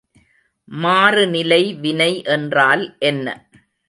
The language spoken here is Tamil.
மாறுநிலை வினை என்றால் என்ன?